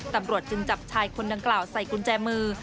ตำรวจจึงจับชายคนดังกล่าวใส่กุญแจมือ